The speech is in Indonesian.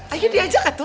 ayo diajak lah tuh